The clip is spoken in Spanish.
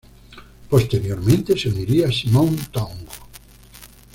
Posteriormente se uniría Simon Tong.